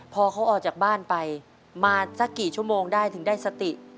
พอเขาออกจากบ้านไปมาสักกี่ชั่วโมงได้ถึงได้สติ